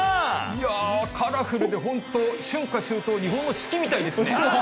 いやぁ、カラフルで本当、春夏秋冬、日本の四季みたいですね。